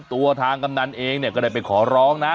ตัวทางกำนันเองเนี่ยก็ได้ไปขอร้องนะ